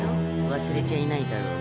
忘れちゃいないだろうね？